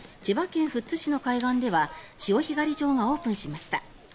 千葉県富津市の海岸では潮干狩り場がオープンしました。